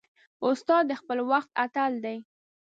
استاد د خپل وخت اتل دی.